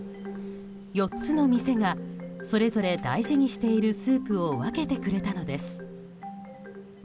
４つの店がそれぞれ大事にしているスープを分けてくれたのです。